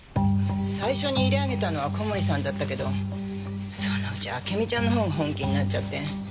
最初に入れあげたのは小森さんだったけどそのうちあけみちゃんの方が本気になっちゃって。